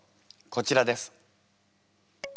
こちらです。